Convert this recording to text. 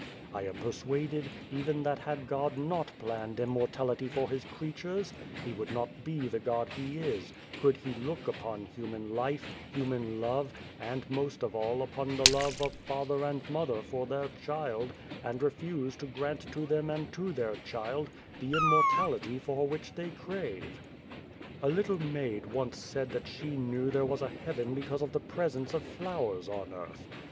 I am persuaded, even that had God not planned immortality for His creatures, He would not be the God He is, could He look upon human life, human love, and most of all upon the love of father and mother for their child, and refuse to grant to them and to their child, the immortality for which they crave. "A little maid once said that she knew there was a heaven because of the presence of flowers on earth.